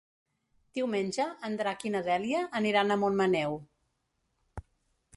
Diumenge en Drac i na Dèlia aniran a Montmaneu.